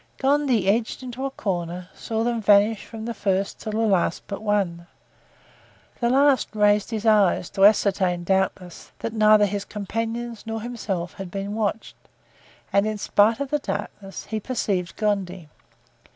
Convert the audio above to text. Gondy, edged into a corner, saw them vanish from the first until the last but one. The last raised his eyes, to ascertain, doubtless, that neither his companions nor himself had been watched, and, in spite of the darkness, he perceived Gondy.